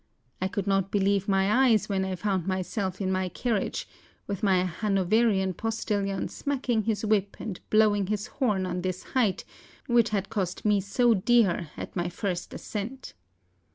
I could not believe my eyes when I found myself in my carriage, with my Hanoverian postilion smacking his whip and blowing his horn on this height, which had cost me so dear at my first ascent.